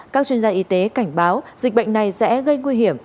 các chuyên gia y tế cảnh báo dịch bệnh này sẽ gây nguy hiểm